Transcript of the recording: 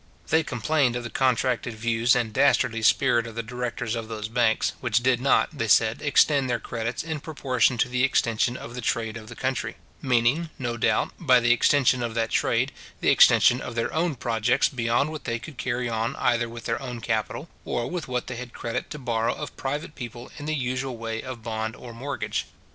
They complained of the contracted views and dastardly spirit of the directors of those banks, which did not, they said, extend their credits in proportion to the extension of the trade of the country; meaning, no doubt, by the extension of that trade, the extension of their own projects beyond what they could carry on either with their own capital, or with what they had credit to borrow of private people in the usual way of bond or mortgage.